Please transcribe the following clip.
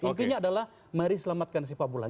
intinya adalah mari selamatkan si pak bulan